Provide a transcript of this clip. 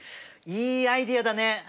いいアイデアだね。